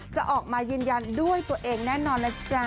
จะออกมายืนยันด้วยตัวเองแน่นอนนะจ๊ะ